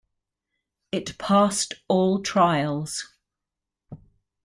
It passed all trials.